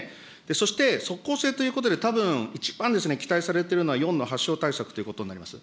そして、即効性ということで、たぶん一番期待されているのは、４の発症対策ということになります。